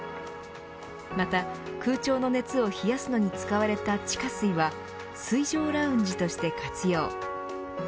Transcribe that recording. また、空調の熱を冷やすのに使われた地下水は水上ラウンジとして活用。